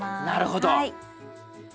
なるほど。